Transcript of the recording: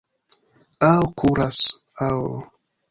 Aŭ kuras, aŭ...